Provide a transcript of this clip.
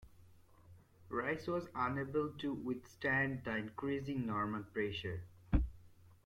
Rhys was unable to withstand the increasing Norman pressure.